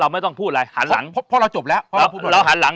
ไม่ต้องพูดอะไรหันหลังเพราะเราจบแล้วเราหันหลัง